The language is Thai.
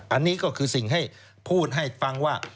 อันนี้ก็คือสิ่งให้พูดให้ฟังว่า